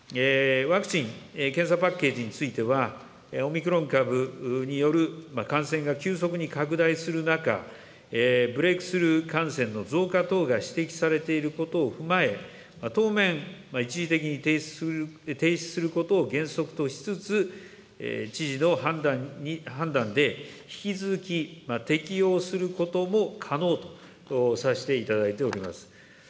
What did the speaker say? ワクチン・検査パッケージについては、オミクロン株による感染が急速に拡大する中、ブレークスルー感染の増加等が指摘されていることを踏まえ、当面、一時的に停止することを原則としつつ、知事の判断で、引き続き適用することも可能とさせていただいております。